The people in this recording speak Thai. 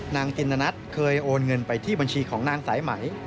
จินตนัทเคยโอนเงินไปที่บัญชีของนางสายไหม